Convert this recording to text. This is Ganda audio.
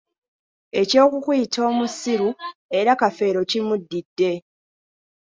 Eky'okukuyitibwa omussiru era Kafeero kimuddidde.